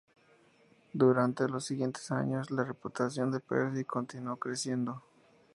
Durante los siguientes años, la reputación de Percy continuó creciendo.